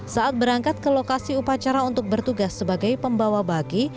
saat berangkat ke lokasi upacara untuk bertugas sebagai pembawa baki